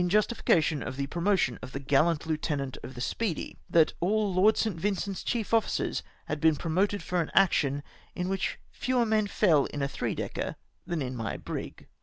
justification of the promotion of tlie gallant lieutenant of the Speedy, that all Lord St. Vincent's chief officers had been promoted for an action in which fewer men fell in a three decker than in my brig.